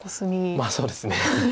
まあそうですね。